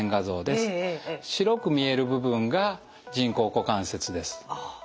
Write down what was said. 白く見える部分が人工股関節です。